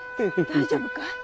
大丈夫かい？